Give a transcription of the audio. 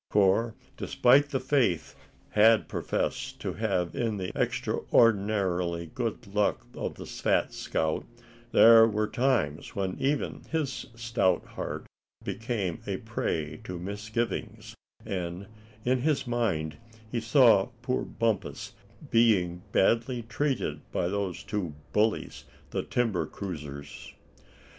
For, despite the faith Thad professed to have in the extraordinary good luck of the fat scout, there were times when even his stout heart became a prey to misgivings; and in his mind he saw poor Bumpus being badly treated by those two bullies, the timber cruisers.